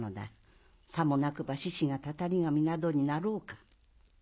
さもなくばシシがタタリ神などになろうか。